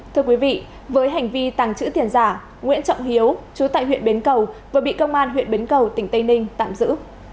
thưa quý vị với hành vi tàng trữ tiền giả nguyễn trọng hiếu chú tại huyện bến cầu vừa bị công an huyện bến cầu tỉnh tây ninh tạm giữ